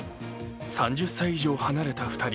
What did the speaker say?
３０歳以上離れた２人。